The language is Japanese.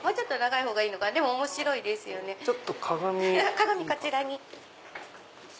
鏡こちらに。